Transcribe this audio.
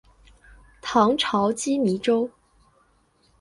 唐朝羁縻州。